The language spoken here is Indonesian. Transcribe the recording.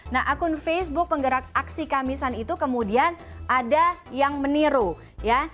nah akun facebook penggerak aksi kamisan itu kemudian ada yang meniru ya